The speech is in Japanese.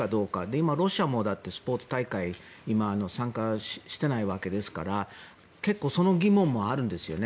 今、ロシアもスポーツ大会に参加してないわけですから結構その疑問もあるんですよね。